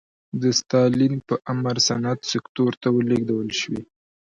د ستالین په امر صنعت سکتور ته ولېږدول شوې.